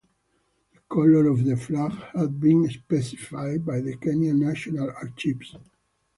The colours of the flag have been specified by the Kenya National Archives.